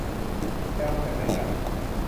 ไปเอามาจากไหนกัน